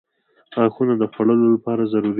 • غاښونه د خوړلو لپاره ضروري دي.